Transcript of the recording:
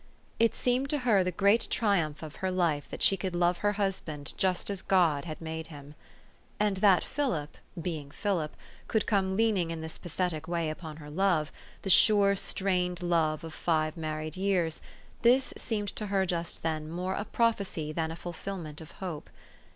It seemed to her the great triumph of her life that she could love her husband just as God had made him. And that Philip, being Philip, could come leaning in this pathetic way upon her love, the sure, strained love of five married years, this seemed to her just then more a prophecy than a fulfilment of hope.